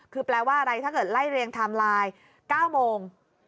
คือแปลว่าอะไรถ้าเกิดไล่เรียงไทม์ไลน์๙โมง